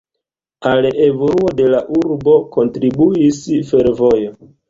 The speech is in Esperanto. Al evoluo de la urbo kontribuis fervojo.